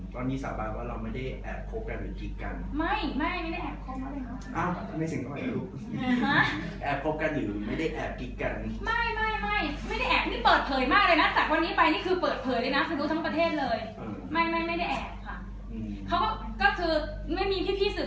ตอนนี้สามารถว่าเราไม่ได้แอบคบกันหรือกิดกัน